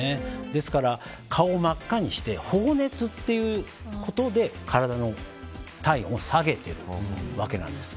ですから、顔を真っ赤にして放熱ということで体の体温を下げてるわけなんです。